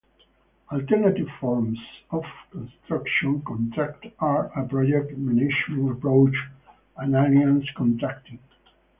Alternative forms of construction contract are a project management approach and alliance contracting.